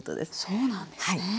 そうなんですね。